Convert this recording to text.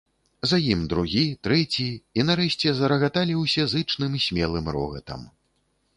За ім другі, трэці, і нарэшце зарагаталі ўсе зычным смелым рогатам.